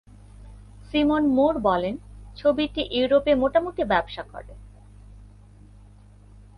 Simon Moore বলেন ছবিটি ইউরোপে মোটামুটি ব্যবসা করে।